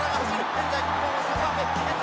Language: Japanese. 現在日本３番目。